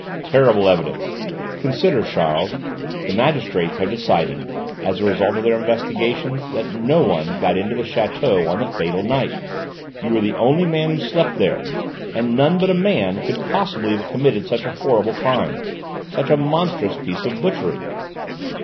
"Terrible evidence! Consider, Charles: the magistrates have decided, as a result of their investigations, that no one got into the château on the fatal night; you were the only man who slept there; and none but a man could possibly have committed such a horrible crime, such a monstrous piece of butchery!"